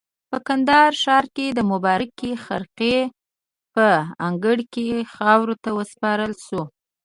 په کندهار ښار کې د مبارکې خرقې په انګړ کې خاورو ته وسپارل شو.